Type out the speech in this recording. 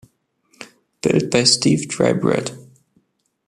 Built by Steve Drybread.